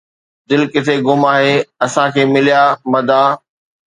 دل ڪٿي گم آهي، اسان کي مليا مدعا